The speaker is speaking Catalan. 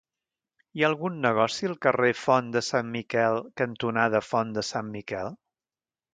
Hi ha algun negoci al carrer Font de Sant Miquel cantonada Font de Sant Miquel?